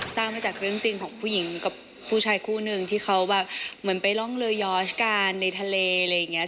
สร้างมาจากเรื่องจริงของผู้หญิงกับผู้ชายคู่หนึ่งที่เขาแบบเหมือนไปร่องเรือยอร์ชกันในทะเลอะไรอย่างนี้